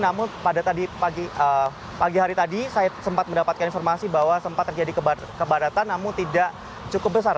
namun pada pagi hari tadi saya sempat mendapatkan informasi bahwa sempat terjadi kepadatan namun tidak cukup besar